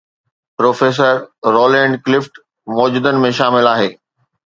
Professor Roland Clift موجدن ۾ شامل آهي.